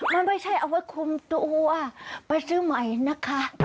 มันไม่ใช่เอาไว้คุมตัวไปซื้อใหม่นะคะ